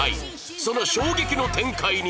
その衝撃の展開に